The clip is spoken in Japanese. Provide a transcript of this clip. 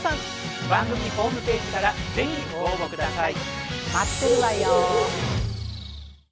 番組ホームページから是非ご応募下さい！